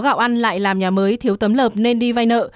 gạo ăn lại làm nhà mới thiếu tấm lợp nên đi vay nợ